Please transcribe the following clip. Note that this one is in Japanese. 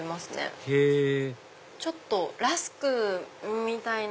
へぇちょっとラスクみたいな。